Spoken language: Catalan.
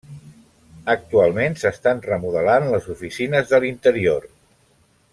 Actualment s'estan remodelant les oficines de l'interior.